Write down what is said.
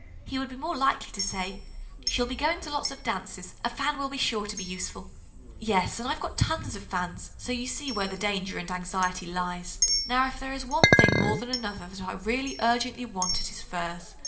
"He would be more likely to say: 'She'll be going to lots of dances, a fan will be sure to be useful.'" "Yes, and I've got tons of fans, so you see where the danger and anxiety lies. Now if there is one thing more than another that I really urgently want it is furs.